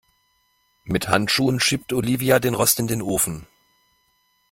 Mit Handschuhen schiebt Olivia den Rost in den Ofen.